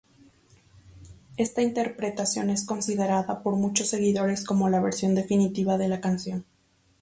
Esta interpretación es considerada por muchos seguidores como la versión definitiva de la canción.